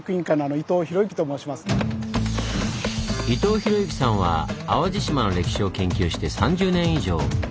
伊藤宏幸さんは淡路島の歴史を研究して３０年以上！